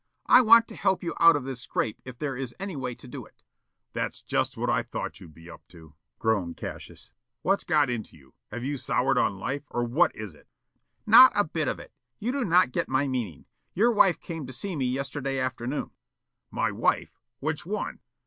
I want to help you out of this scrape if there is any way to do it." "That's just what I thought you'd be up to," groaned Cassius. "What's got into you? Have you soured on life, or what is it?" "Not a bit of it. You do not get my meaning. Your wife came to see me yesterday afternoon." "My wife? Which one?"